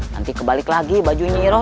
nanti kebalik lagi bajunya iro